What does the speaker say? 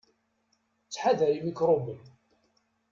Ttḥadar imikṛuben!.